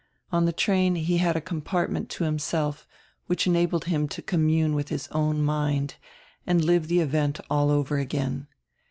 On die train he had a compartment to himself, which enabled him to commune widi his own mind and live die event all over again.